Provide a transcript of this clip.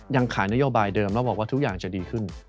ยังขายนโยบายเดิมแล้วบอกว่าทุกอย่างจะดีขึ้น